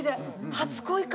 初恋か？